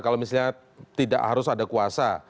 kalau misalnya tidak harus ada kuasa